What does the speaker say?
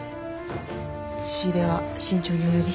仕入れは慎重におやり。